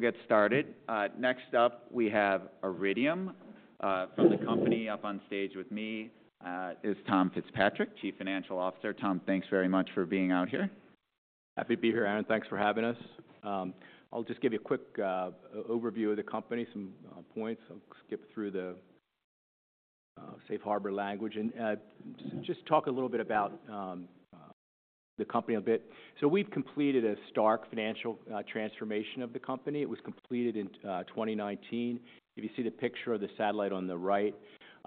We'll get started. Next up, we have Iridium. From the company, up on stage with me, is Tom Fitzpatrick, Chief Financial Officer. Tom, thanks very much for being out here. Happy to be here, Aaron. Thanks for having us. I'll just give you a quick overview of the company, some points. I'll skip through the safe harbor language, and just talk a little bit about the company a bit. So we've completed a stark financial transformation of the company. It was completed in 2019. If you see the picture of the satellite on the right,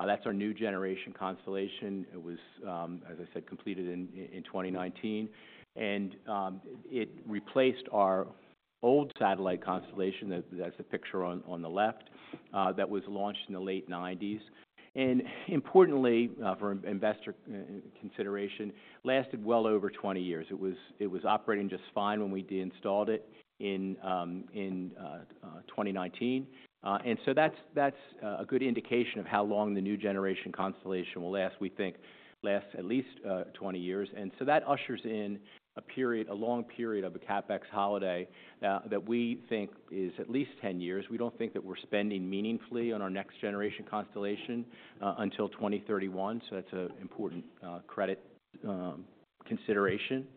that's our new generation constellation. It was, as I said, completed in 2019. And it replaced our old satellite constellation, that's the picture on the left, that was launched in the late 1990s. And importantly, for investor consideration, lasted well over 20 years. It was operating just fine when we deinstalled it in 2019. And so that's a good indication of how long the new generation constellation will last. We think last at least 20 years. And so that ushers in a period, a long period of a CapEx holiday that we think is at least 10 years. We don't think that we're spending meaningfully on our next generation constellation until 2031, so that's a important credit consideration.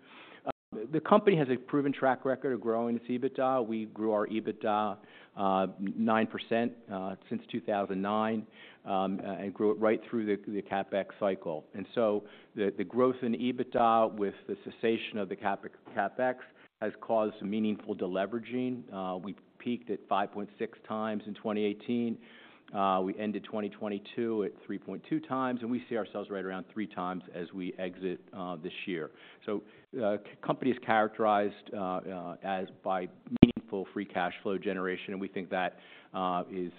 The company has a proven track record of growing its EBITDA. We grew our EBITDA 9% since 2009 and grew it right through the CapEx cycle. And so the growth in EBITDA with the cessation of the CapEx has caused meaningful deleveraging. We peaked at 5.6x in 2018. We ended 2022 at 3.2x, and we see ourselves right around 3x as we exit this year. Company is characterized by meaningful free cash flow generation, and we think that is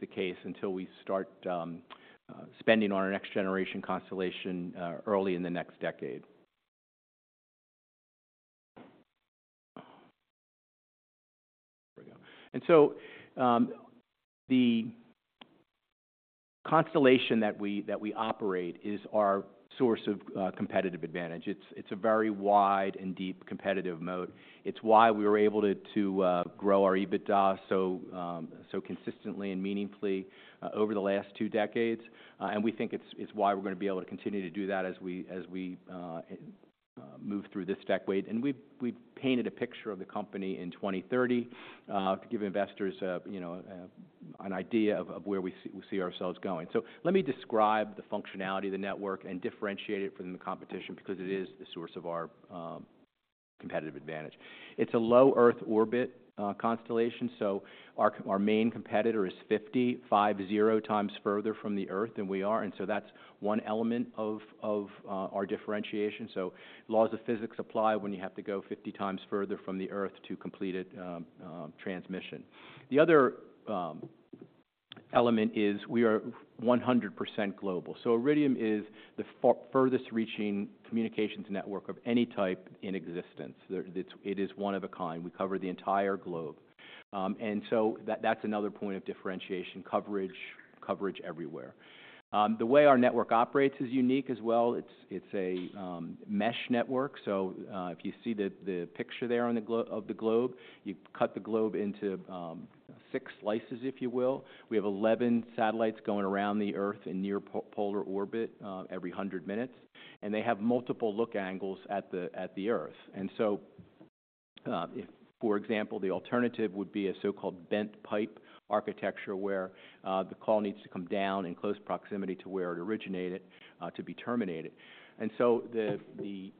the case until we start spending on our next generation constellation early in the next decade. The constellation that we operate is our source of competitive advantage. It's a very wide and deep competitive moat. It's why we were able to grow our EBITDA so consistently and meaningfully over the last two decades. And we think it's why we're gonna be able to continue to do that as we move through this decade. And we've painted a picture of the company in 2030 to give investors you know an idea of where we see ourselves going. So let me describe the functionality of the network and differentiate it from the competition, because it is the source of our competitive advantage. It's a low Earth orbit constellation, so our main competitor is 50x further from the Earth than we are, and so that's one element of our differentiation. So laws of physics apply when you have to go 50x further from the Earth to complete its transmission. The other element is we are 100% global. So Iridium is the furthest-reaching communications network of any type in existence. It is one of a kind. We cover the entire globe. And so that's another point of differentiation, coverage everywhere. The way our network operates is unique as well. It's a mesh network. So, if you see the picture there on the globe, you cut the globe into six slices, if you will. We have 11 satellites going around the Earth in near polar orbit every 100 minutes, and they have multiple look angles at the Earth. And so, if, for example, the alternative would be a so-called bent pipe architecture, where the call needs to come down in close proximity to where it originated to be terminated. And so the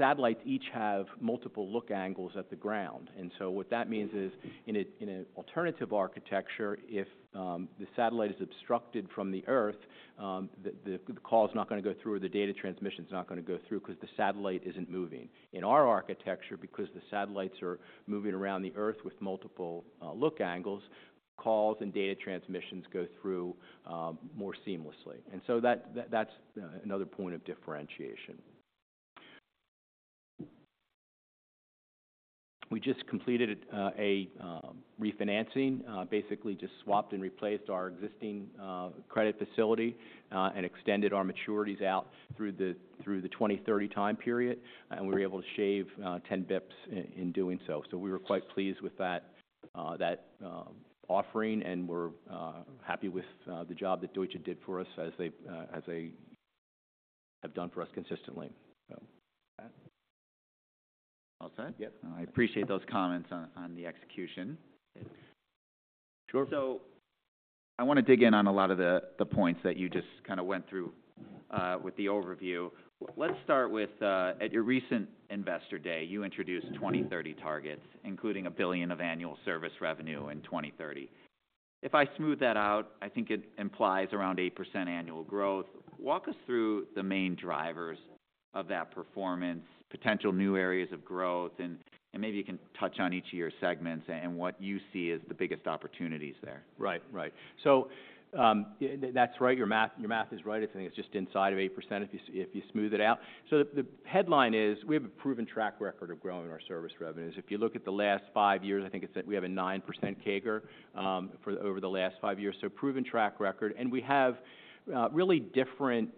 satellites each have multiple look angles at the ground. And so what that means is, in an alternative architecture, if the satellite is obstructed from the Earth, the call is not gonna go through or the data transmission is not gonna go through because the satellite isn't moving. In our architecture, because the satellites are moving around the Earth with multiple look angles, calls and data transmissions go through more seamlessly. And so that's another point of differentiation. We just completed a refinancing, basically just swapped and replaced our existing credit facility, and extended our maturities out through the 2020/2030 time period, and we were able to shave 10 basis points in doing so. So we were quite pleased with that offering, and we're happy with the job that Deutsche did for us as they have done for us consistently. So... All set? Yep. I appreciate those comments on the execution. Sure. So I want to dig in on a lot of the points that you just kind of went through with the overview. Let's start with at your recent Investor Day, you introduced 2030 targets, including $1 billion of annual service revenue in 2030. If I smooth that out, I think it implies around 8% annual growth. Walk us through the main drivers of that performance, potential new areas of growth, and maybe you can touch on each of your segments and what you see as the biggest opportunities there. Right. Right. So, that's right. Your math, your math is right. I think it's just inside of 8% if you if you smooth it out. So the, the headline is: We have a proven track record of growing our service revenues. If you look at the last five years, I think it's that we have a 9% CAGR for over the last five years, so proven track record. And we have, really different,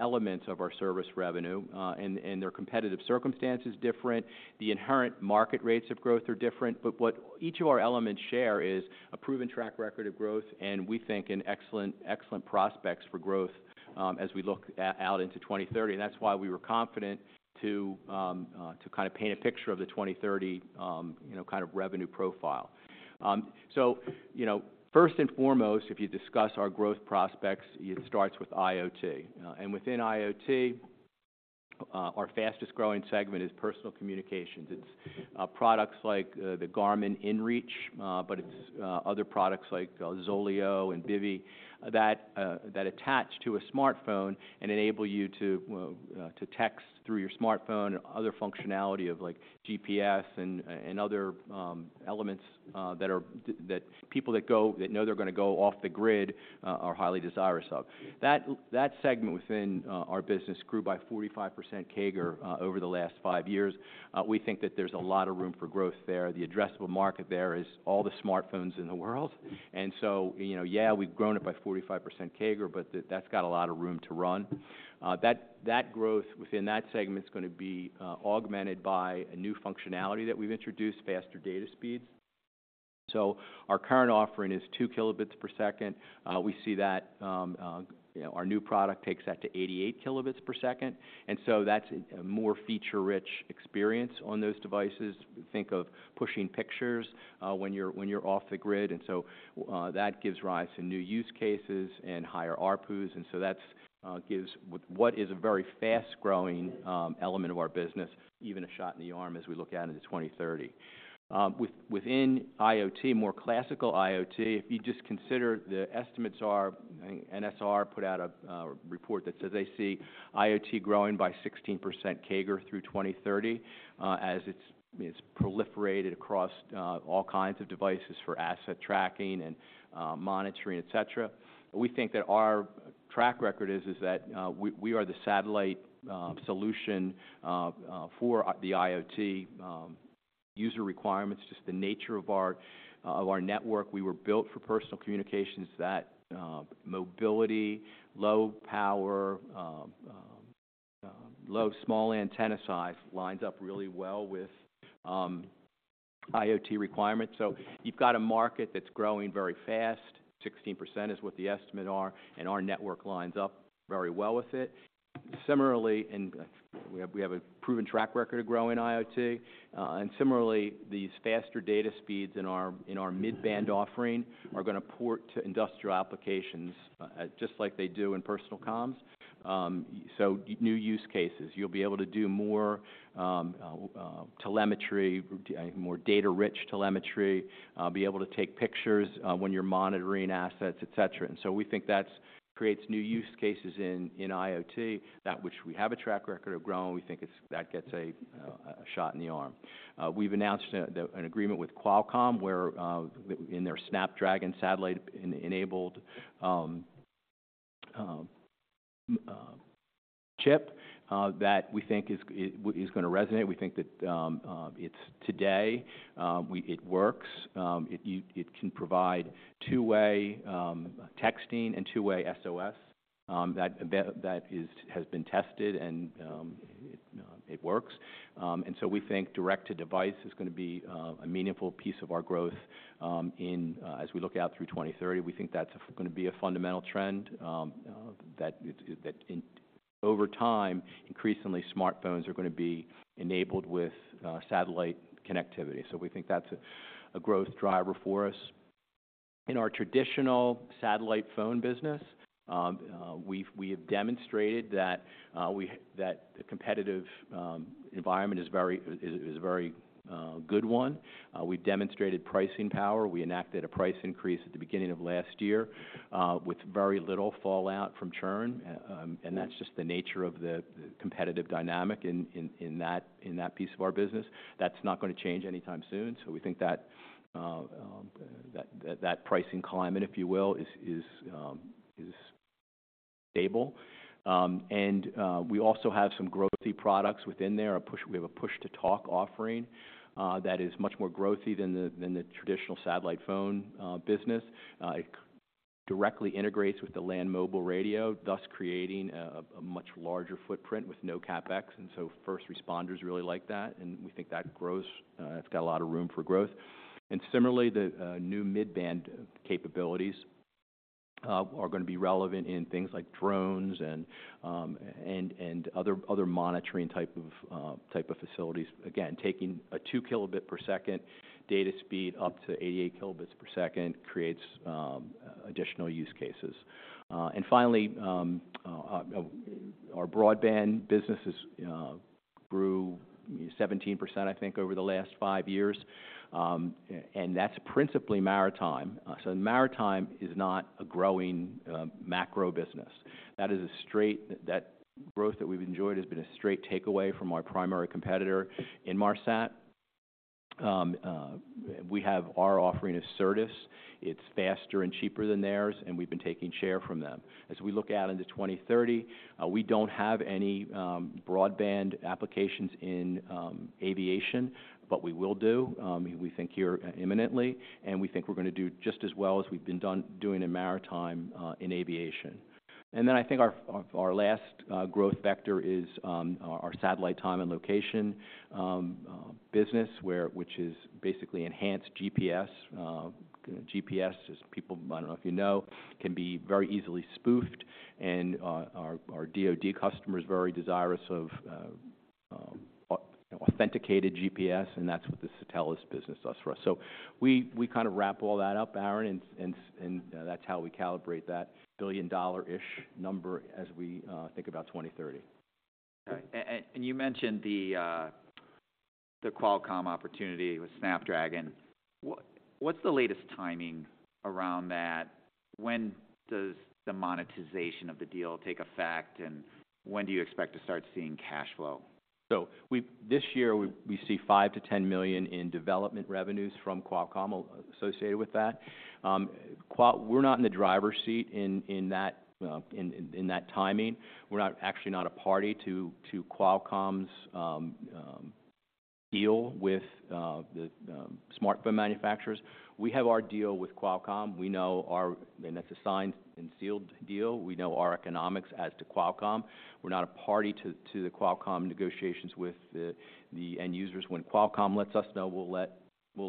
elements of our service revenue, and, and their competitive circumstance is different. The inherent market rates of growth are different. But what each of our elements share is a proven track record of growth, and we think an excellent, excellent prospects for growth. As we look out into 2030, and that's why we were confident to kind of paint a picture of the 2030, you know, kind of revenue profile. So, you know, first and foremost, if you discuss our growth prospects, it starts with IoT. And within IoT, our fastest-growing segment is personal communications. It's products like the Garmin inReach, but it's other products like ZOLEO and Bivy that attach to a smartphone and enable you to, well, to text through your smartphone and other functionality of, like, GPS and other elements that people that know they're going to go off the grid are highly desirous of. That segment within our business grew by 45% CAGR over the last five years. We think that there's a lot of room for growth there. The addressable market there is all the smartphones in the world. And so, you know, yeah, we've grown it by 45% CAGR, but that's got a lot of room to run. That, that growth within that segment is going to be augmented by a new functionality that we've introduced, faster data speeds. So our current offering is 2 kbps. We see that, you know, our new product takes that to 88 kbps, and so that's a more feature-rich experience on those devices. Think of pushing pictures, when you're, when you're off the grid, and so, that gives rise to new use cases and higher ARPUs. And so that's gives what is a very fast-growing element of our business, even a shot in the arm as we look out into 2030. Within IoT, more classical IoT, if you just consider the estimates are, NSR put out a report that says they see IoT growing by 16% CAGR through 2030, as it's proliferated across all kinds of devices for asset tracking and monitoring, et cetera. We think that our track record is that we are the satellite solution for the IoT user requirements. Just the nature of our of our network. We were built for personal communications, that mobility, low power, small antenna size lines up really well with IoT requirements. So you've got a market that's growing very fast. 16% is what the estimate are, and our network lines up very well with it. Similarly, we have a proven track record of growing IoT. Similarly, these faster data speeds in our mid-band offering are going to port to industrial applications, just like they do in personal comms. So new use cases, you'll be able to do more, telemetry, more data-rich telemetry, be able to take pictures, when you're monitoring assets, et cetera. And so we think that's creates new use cases in IoT, that which we have a track record of growing. We think it's that gets a shot in the arm. We've announced an agreement with Qualcomm, where in their Snapdragon Satellite enabled chip that we think is going to resonate. We think that it works today. It can provide two-way texting and two-way SOS that has been tested, and it works. And so we think direct-to-device is going to be a meaningful piece of our growth in as we look out through 2030. We think that's going to be a fundamental trend that in over time, increasingly smartphones are going to be enabled with satellite connectivity. So we think that's a growth driver for us. In our traditional satellite phone business, we have demonstrated that the competitive environment is a very good one. We've demonstrated pricing power. We enacted a price increase at the beginning of last year, with very little fallout from churn, and that's just the nature of the competitive dynamic in that piece of our business. That's not going to change anytime soon. So we think that that pricing climate, if you will, is stable. And we also have some growthy products within there. We have a push-to-talk offering that is much more growthy than the traditional satellite phone business. It directly integrates with the land mobile radio, thus creating a much larger footprint with no CapEx. And so first responders really like that, and we think that grows; it's got a lot of room for growth. Similarly, the new mid-band capabilities are going to be relevant in things like drones and other monitoring type of facilities. Again, taking a 2 kbps data speed up to 88 kbps creates additional use cases. And finally, our broadband businesses grew 17%, I think, over the last five years. And that's principally maritime. So maritime is not a growing macro business. That growth that we've enjoyed has been a straight takeaway from our primary competitor, Inmarsat. We have our offering of Certus. It's faster and cheaper than theirs, and we've been taking share from them. As we look out into 2030, we don't have any broadband applications in aviation, but we will do, we think here imminently, and we think we're going to do just as well as we've been doing in maritime in aviation. And then I think our last growth vector is our satellite time and location business, which is basically enhanced GPS. GPS, as people, I don't know if you know, can be very easily spoofed and our DoD customer is very desirous of authenticated GPS, and that's what the Satelles business does for us. So we kind of wrap all that up, Aaron, and that's how we calibrate that $1 billion-ish number as we think about 2030. All right. And you mentioned the Qualcomm opportunity with Snapdragon. What's the latest timing around that? When does the monetization of the deal take effect, and when do you expect to start seeing cash flow? So we've this year, we see $5 million-$10 million in development revenues from Qualcomm associated with that. We're not in the driver's seat in that timing. We're actually not a party to Qualcomm's deal with the smartphone manufacturers. We have our deal with Qualcomm. We know our... And that's a signed and sealed deal. We know our economics as to Qualcomm. We're not a party to the Qualcomm negotiations with the end users. When Qualcomm lets us know, we'll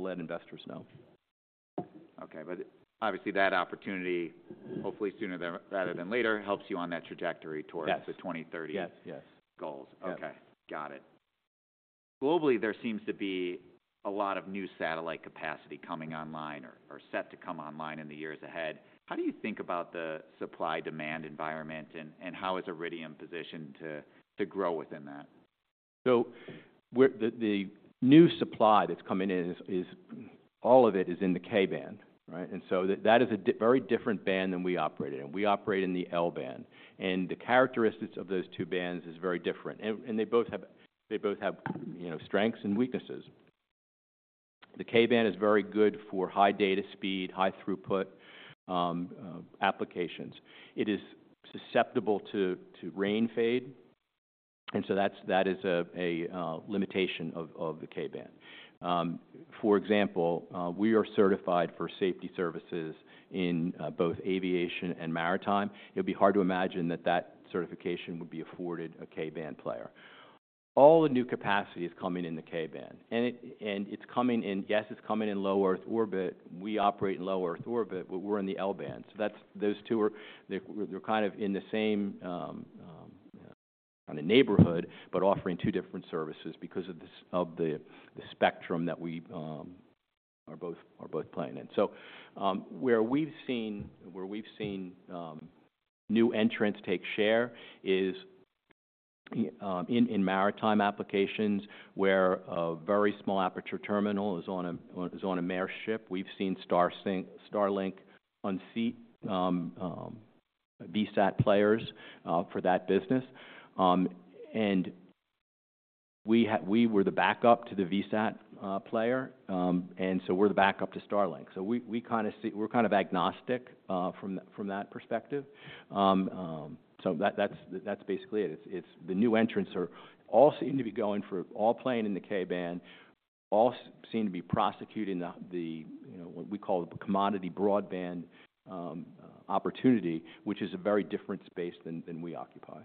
let investors know. Okay, but obviously, that opportunity, hopefully sooner there, rather than later, helps you on that trajectory towards- Yes the 2030 Yes, yes - goals. Yes. Okay, got it. Globally, there seems to be a lot of new satellite capacity coming online or set to come online in the years ahead. How do you think about the supply-demand environment, and how is Iridium positioned to grow within that? So the new supply that's coming in is all of it in the K-band, right? And so that is a very different band than we operate in. We operate in the L-band, and the characteristics of those two bands is very different. And they both have you know strengths and weaknesses. The K-band is very good for high data speed, high throughput applications. It is susceptible to rain fade, and so that's a limitation of the K-band. For example, we are certified for safety services in both aviation and maritime. It'd be hard to imagine that that certification would be afforded a K-band player. All the new capacity is coming in the K-band, and it's coming in low Earth orbit. We operate in low Earth orbit, but we're in the L-band. So that's... Those two are, they're kind of in the same kinda neighborhood, but offering two different services because of the spectrum that we're both playing in. So, where we've seen new entrants take share is in maritime applications, where a very small aperture terminal is on a maritime ship. We've seen Starlink unseat VSAT players for that business. And we were the backup to the VSAT player, and so we're the backup to Starlink. So we're kind of agnostic from that perspective. So that's basically it. The new entrants are all seem to be going for, all playing in the K-band, all seem to be prosecuting the, you know, what we call the commodity broadband opportunity, which is a very different space than we occupy.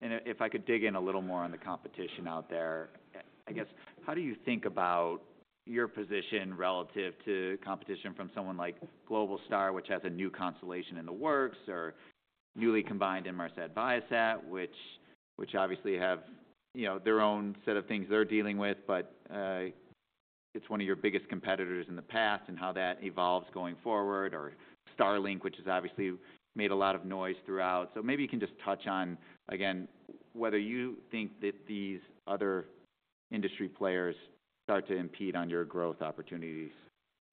If I could dig in a little more on the competition out there, I guess, how do you think about your position relative to competition from someone like Globalstar, which has a new constellation in the works, or newly combined Inmarsat/Viasat, which obviously have, you know, their own set of things they're dealing with, but it's one of your biggest competitors in the past, and how that evolves going forward, or Starlink, which has obviously made a lot of noise throughout? So maybe you can just touch on, again, whether you think that these other industry players start to impede on your growth opportunities.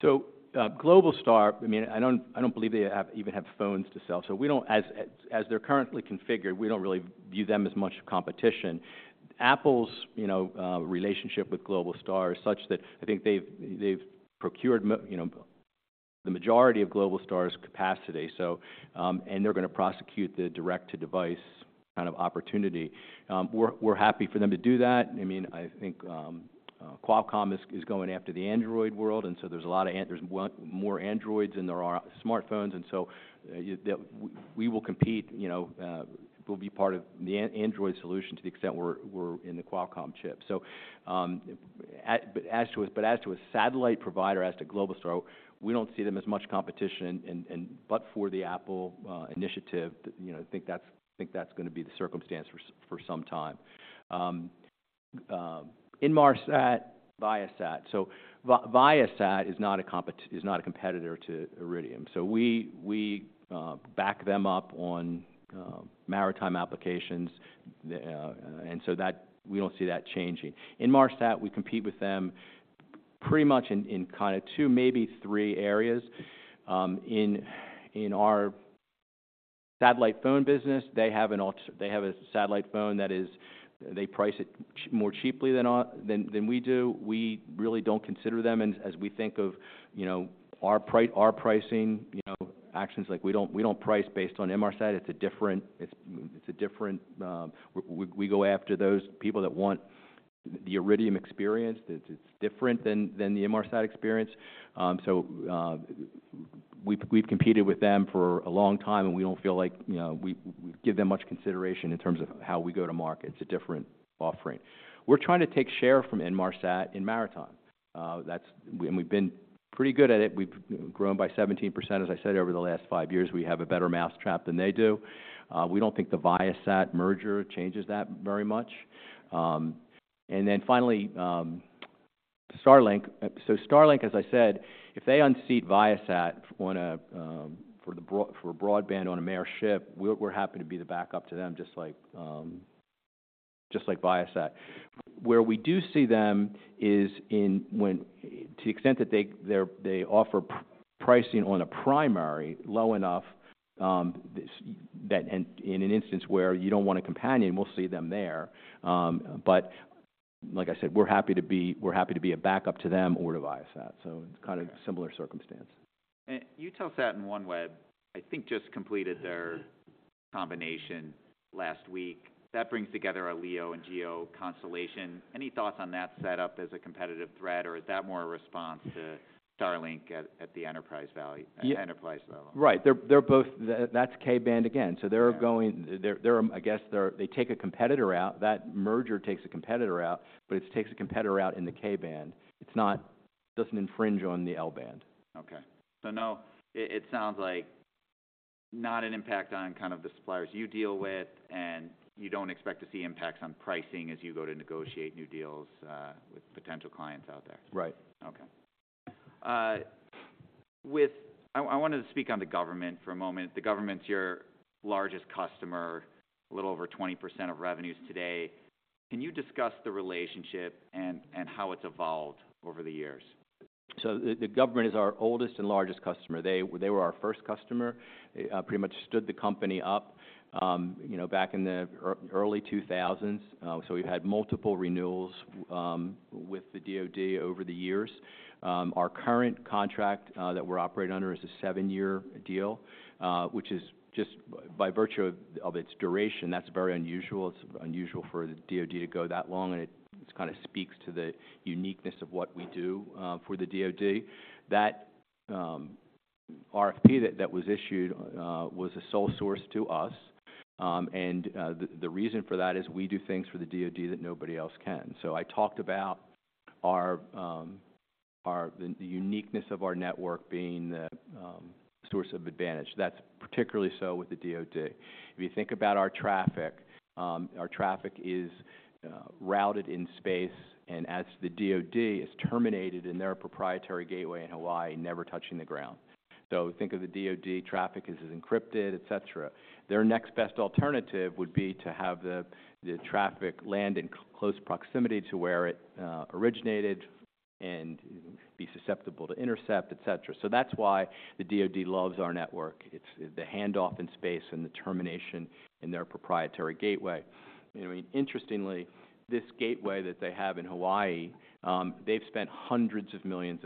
So, Globalstar, I mean, I don't believe they even have phones to sell, so we don't... As they're currently configured, we don't really view them as much competition. Apple's, you know, relationship with Globalstar is such that I think they've procured, you know, the majority of Globalstar's capacity, so, and they're gonna prosecute the direct-to-device kind of opportunity. We're happy for them to do that. I mean, I think, Qualcomm is going after the Android world, and so there's a lot of Androids, there's one more Androids than there are smartphones, and so, we will compete, you know, we'll be part of the Android solution to the extent we're in the Qualcomm chip. So, but as to a satellite provider, as to Globalstar, we don't see them as much competition, and but for the Apple initiative, you know, I think that's gonna be the circumstance for some time. Inmarsat, Viasat. So Viasat is not a competitor to Iridium. So we back them up on maritime applications, and so that, we don't see that changing. Inmarsat, we compete with them pretty much in kinda two, maybe three areas. In our satellite phone business, they have a satellite phone that is, they price it more cheaply than we do. We really don't consider them as we think of, you know, our pricing, you know, actions. Like, we don't price based on Inmarsat. It's a different. We go after those people that want the Iridium experience. It's different than the Inmarsat experience. So, we've competed with them for a long time, and we don't feel like, you know, we give them much consideration in terms of how we go to market. It's a different offering. We're trying to take share from Inmarsat in maritime. That's, and we've been pretty good at it. We've grown by 17%, as I said, over the last five years. We have a better mousetrap than they do. We don't think the Viasat merger changes that very much. And then finally, Starlink. So Starlink, as I said, if they unseat Viasat for broadband on a maritime ship, we're happy to be the backup to them, just like Viasat. Where we do see them is to the extent that they offer pricing on a primary low enough, and in an instance where you don't want a companion, we'll see them there. But like I said, we're happy to be a backup to them or to Viasat, so it's kind of similar circumstance. Eutelsat and OneWeb, I think, just completed their combination last week. That brings together a LEO and GEO constellation. Any thoughts on that setup as a competitive threat, or is that more a response to Starlink at the enterprise value- Yeah at the enterprise level? Right. They're both... That's K-band again. Yeah. So, I guess, they take a competitor out. That merger takes a competitor out, but it takes a competitor out in the K-band. It doesn't infringe on the L-band. Okay. So no, it sounds like not an impact on kind of the suppliers you deal with, and you don't expect to see impacts on pricing as you go to negotiate new deals, with potential clients out there? Right. Okay. I wanted to speak on the government for a moment. The government's your largest customer, a little over 20% of revenues today. Can you discuss the relationship and how it's evolved over the years? So the government is our oldest and largest customer. They were our first customer, pretty much stood the company up, you know, back in the early 2000s. So we've had multiple renewals with the DoD over the years. Our current contract that we're operating under is a 7-year deal, which is just by virtue of its duration, that's very unusual. It's unusual for the DoD to go that long, and it kind of speaks to the uniqueness of what we do for the DoD. That RFP that was issued was a sole source to us. The reason for that is we do things for the DoD that nobody else can. So I talked about the uniqueness of our network being the source of advantage. That's particularly so with the DoD. If you think about our traffic, our traffic is routed in space, and as the DoD is terminated in their proprietary gateway in Hawaii, never touching the ground. So think of the DoD traffic as encrypted, et cetera. Their next best alternative would be to have the traffic land in close proximity to where it originated and be susceptible to intercept, et cetera. So that's why the DoD loves our network. It's the handoff in space and the termination in their proprietary gateway. You know, interestingly, this gateway that they have in Hawaii, they've spent $hundreds of millions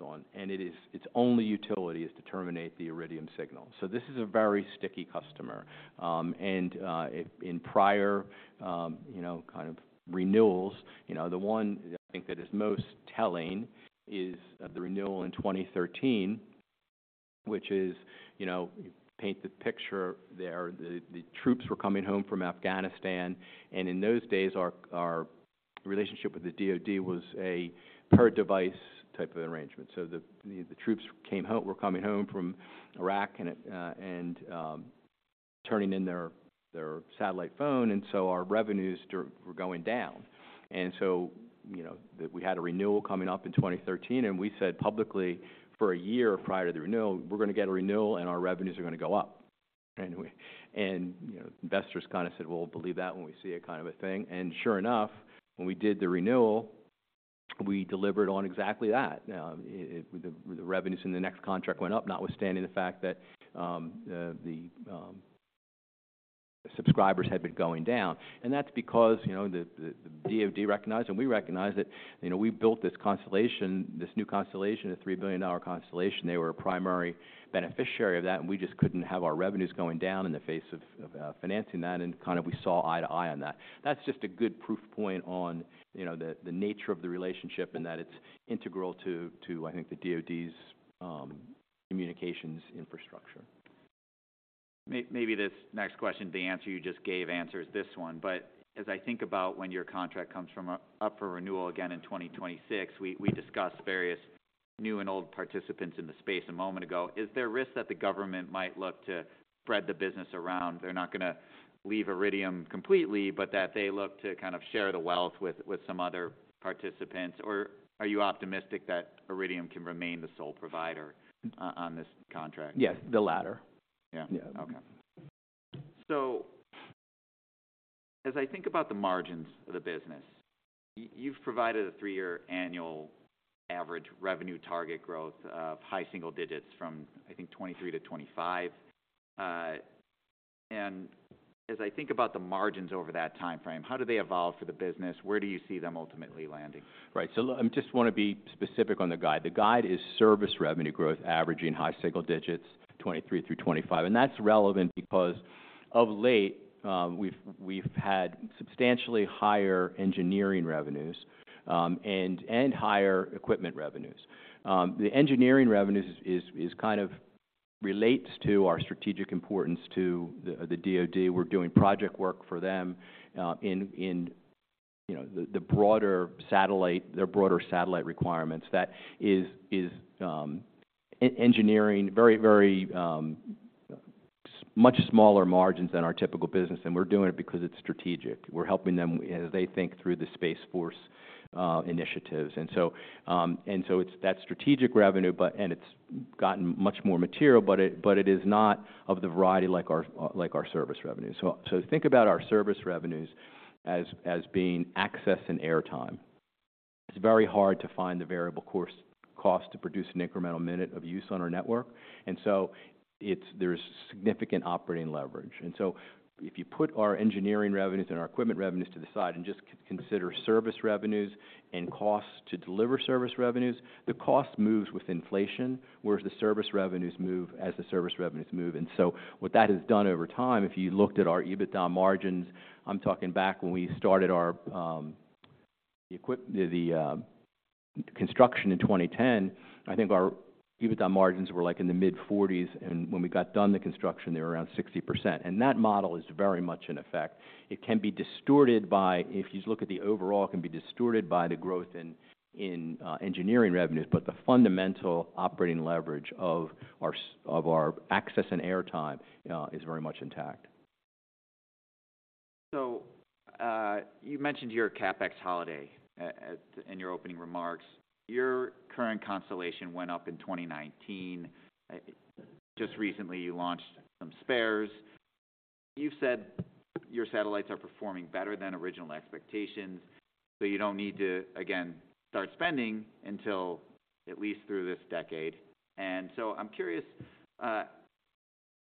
on, and its only utility is to terminate the Iridium signal. So this is a very sticky customer. And, in prior renewals, you know, the one I think that is most telling is the renewal in 2013, which is, you know, paint the picture there. The troops were coming home from Afghanistan, and in those days, our relationship with the DoD was a per device type of arrangement. So the troops were coming home from Iraq and turning in their satellite phone, and so our revenues were going down. And so, you know, we had a renewal coming up in 2013, and we said publicly for a year prior to the renewal, "We're gonna get a renewal, and our revenues are gonna go up." And, you know, investors kind of said, "Well, we'll believe that when we see it," kind of a thing. Sure enough, when we did the renewal, we delivered on exactly that. Now, the revenues in the next contract went up, notwithstanding the fact that the subscribers had been going down. And that's because, you know, the DoD recognized, and we recognized that, you know, we built this constellation, this new constellation, a $3 billion constellation. They were a primary beneficiary of that, and we just couldn't have our revenues going down in the face of financing that, and kind of we saw eye to eye on that. That's just a good proof point on, you know, the nature of the relationship and that it's integral to the DoD's communications infrastructure. Maybe this next question, the answer you just gave, answers this one. But as I think about when your contract comes up for renewal again in 2026, we discussed various new and old participants in the space a moment ago. Is there a risk that the government might look to spread the business around? They're not gonna leave Iridium completely, but that they look to kind of share the wealth with some other participants, or are you optimistic that Iridium can remain the sole provider on this contract? Yes, the latter. Yeah. Yeah. Okay. So as I think about the margins of the business, you've provided a three-year annual average revenue target growth of high single digits from, I think, 2023 to 2025. And as I think about the margins over that timeframe, how do they evolve for the business? Where do you see them ultimately landing? Right. So I just wanna be specific on the guide. The guide is service revenue growth, averaging high single digits, 2023-2025. And that's relevant because of late, we've had substantially higher engineering revenues, and higher equipment revenues. The engineering revenues relates to our strategic importance to the DoD. We're doing project work for them, you know, their broader satellite requirements. That is engineering, very much smaller margins than our typical business, and we're doing it because it's strategic. We're helping them as they think through the Space Force initiatives. And so it's that strategic revenue, but and it's gotten much more material, but it is not of the variety like our service revenue. So, think about our service revenues as being access and airtime. It's very hard to find the variable cost to produce an incremental minute of use on our network, and so it's there's significant operating leverage. And so, if you put our engineering revenues and our equipment revenues to the side and just consider service revenues and costs to deliver service revenues, the cost moves with inflation, whereas the service revenues move as the service revenues move. And so what that has done over time, if you looked at our EBITDA margins, I'm talking back when we started our construction in 2010, I think our EBITDA margins were, like, in the mid-40s, and when we got done the construction, they were around 60%. That model is very much in effect. It can be distorted by... If you look at the overall, it can be distorted by the growth in engineering revenues, but the fundamental operating leverage of our access and airtime is very much intact. So, you mentioned your CapEx holiday in your opening remarks. Your current constellation went up in 2019. Just recently, you launched some spares. You've said your satellites are performing better than original expectations, so you don't need to, again, start spending until at least through this decade. And so I'm curious,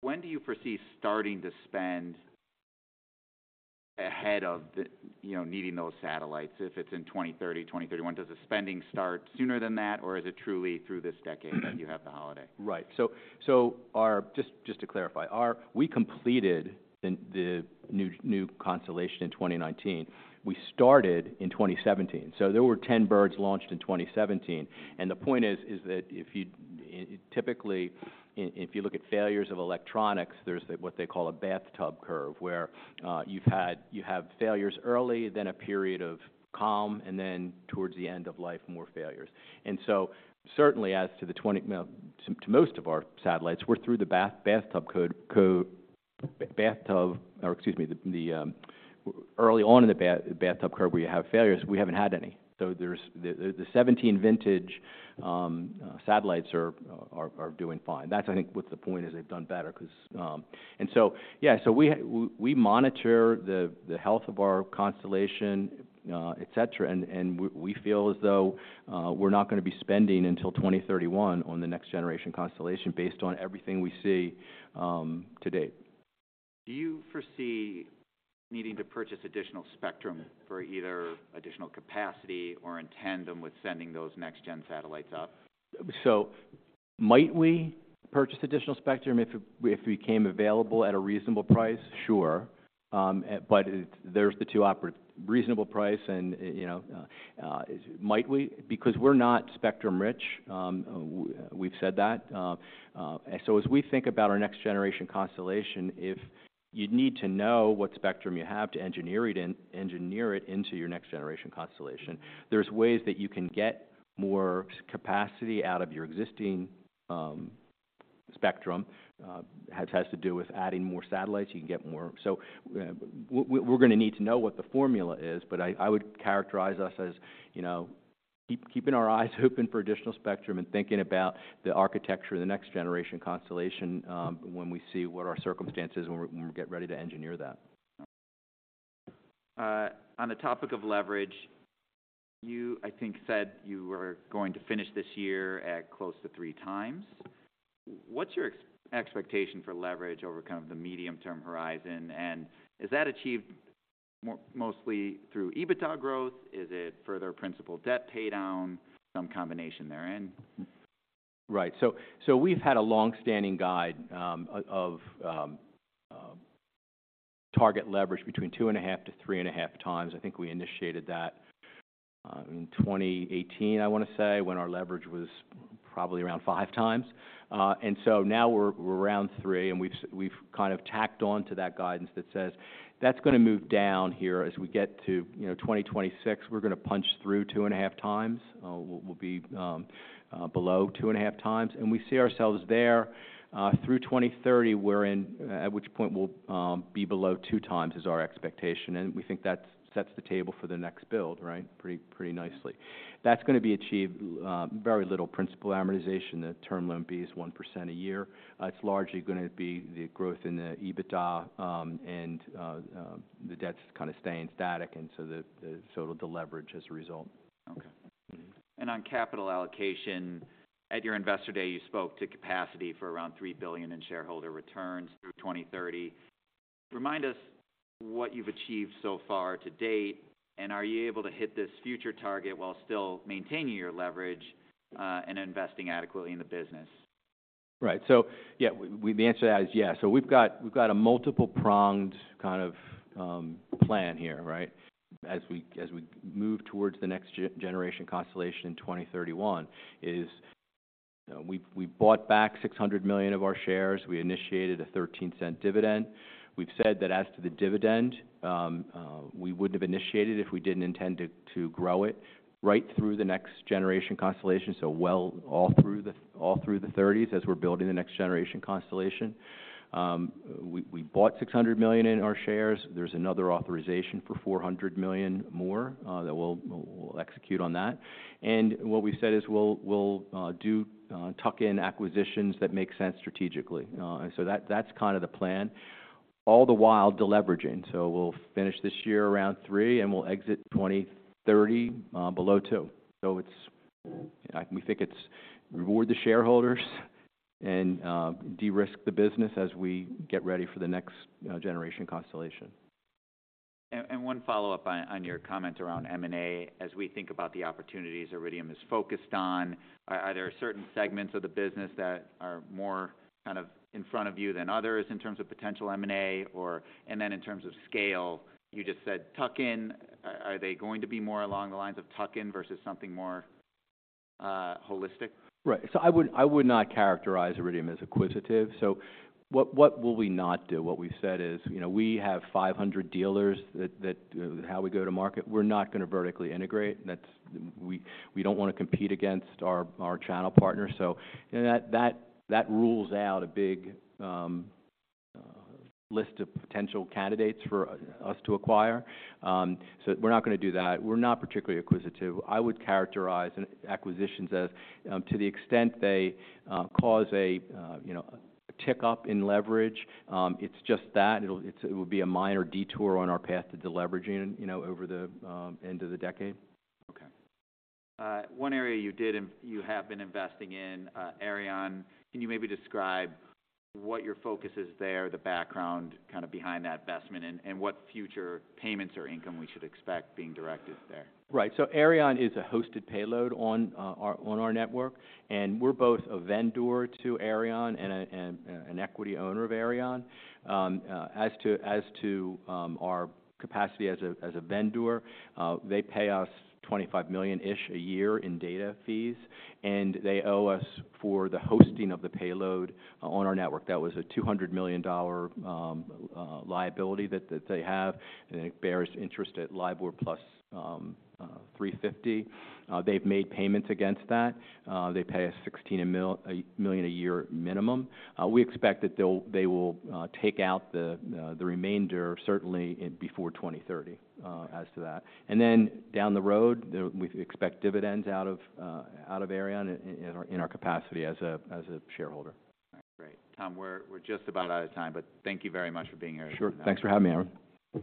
when do you foresee starting to spend ahead of the, you know, needing those satellites? If it's in 2030, 2031, does the spending start sooner than that, or is it truly through this decade that you have the holiday? Right. So, to clarify, our... We completed the new constellation in 2019. We started in 2017, so there were 10 birds launched in 2017. And the point is that if you... Typically, if you look at failures of electronics, there's what they call a bathtub curve, where you have failures early, then a period of calm, and then towards the end of life, more failures. And so certainly as to the 20, well, to most of our satellites, we're through the bathtub curve. Or excuse me, the early on in the bathtub curve, where you have failures, we haven't had any. So there's the '17 vintage satellites are doing fine. That's, I think, what the point is. They've done better 'cause... So, yeah, so we monitor the health of our constellation, et cetera, and we feel as though we're not gonna be spending until 2031 on the next generation constellation, based on everything we see to date. Do you foresee needing to purchase additional spectrum for either additional capacity or in tandem with sending those next-gen satellites up? So might we purchase additional spectrum if it, if it became available at a reasonable price? Sure. But there's two: reasonable price and, you know, might we? Because we're not spectrum rich, we've said that. So as we think about our next generation constellation, if you'd need to know what spectrum you have to engineer it in, engineer it into your next generation constellation, there's ways that you can get more capacity out of your existing spectrum. It has to do with adding more satellites, you can get more. So we're gonna need to know what the formula is, but I would characterize us as, you know, keeping our eyes open for additional spectrum and thinking about the architecture of the next generation constellation, when we see what our circumstances and when we get ready to engineer that. On the topic of leverage, you, I think, said you were going to finish this year at close to 3x. What's your expectation for leverage over kind of the medium-term horizon? And is that achieved mostly through EBITDA growth? Is it further principal debt paydown, some combination therein? Right. So we've had a long-standing guide of target leverage between 2.5-3.5x. I think we initiated that in 2018, I want to say, when our leverage was probably around 5x. And so now we're around three, and we've kind of tacked on to that guidance that says that's gonna move down here as we get to, you know, 2026. We're gonna punch through 2.5x. We'll be below 2.5x, and we see ourselves there through 2030, wherein at which point we'll be below 2x, is our expectation. And we think that sets the table for the next build, right, pretty nicely. That's gonna be achieved very little principal amortization. The Term Loan B is 1% a year. It's largely gonna be the growth in the EBITDA, and the debt's kind of staying static, and so it'll deleverage as a result. Okay. Mm-hmm. On capital allocation, at your Investor Day, you spoke to capacity for around $3 billion in shareholder returns through 2030. Remind us what you've achieved so far to date, and are you able to hit this future target while still maintaining your leverage and investing adequately in the business? Right. So yeah. We, the answer to that is yes. So we've got a multiple-pronged kind of plan here, right? As we move towards the next generation constellation in 2031, we've bought back 600 million of our shares. We initiated a $0.13 dividend. We've said that as to the dividend, we wouldn't have initiated if we didn't intend to grow it right through the next generation constellation. So well, all through the thirties, as we're building the next generation constellation. We bought 600 million in our shares. There's another authorization for 400 million more that we'll execute on that. And what we've said is we'll do tuck-in acquisitions that make sense strategically. So that's kind of the plan. All the while, deleveraging. So we'll finish this year around three, and we'll exit 2030 below two. So it's we think it's reward the shareholders and de-risk the business as we get ready for the next generation constellation. One follow-up on your comment around M&A. As we think about the opportunities Iridium is focused on, are there certain segments of the business that are more kind of in front of you than others in terms of potential M&A or... And then in terms of scale, you just said tuck-in. Are they going to be more along the lines of tuck-in versus something more holistic? Right. So I would not characterize Iridium as acquisitive. So what will we not do? What we've said is, you know, we have 500 dealers that how we go to market, we're not gonna vertically integrate, and that's we don't want to compete against our channel partners. So, and that rules out a big list of potential candidates for us to acquire. So we're not gonna do that. We're not particularly acquisitive. I would characterize an acquisitions as, to the extent they cause a, you know, a tick up in leverage. It's just that, it would be a minor detour on our path to deleveraging, you know, over the end of the decade. Okay. One area you have been investing in, Aireon, can you maybe describe what your focus is there, the background kind of behind that investment, and what future payments or income we should expect being directed there? Right. So Aireon is a hosted payload on our network, and we're both a vendor to Aireon and an equity owner of Aireon. As to our capacity as a vendor, they pay us $25 million-ish a year in data fees, and they owe us for the hosting of the payload on our network. That was a $200 million liability that they have, and it bears interest at LIBOR plus 350. They've made payments against that. They pay us $16 million a year minimum. We expect that they'll take out the remainder, certainly, before 2030, as to that. Then down the road, we expect dividends out of Aireon in our capacity as a shareholder. Great. Tom, we're just about out of time, but thank you very much for being here. Sure. Thanks for having me, Aaron.